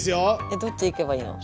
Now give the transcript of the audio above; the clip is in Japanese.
えどっち行けばいいの？